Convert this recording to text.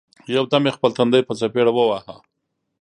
یو دم یې خپل تندی په څپېړه وواهه!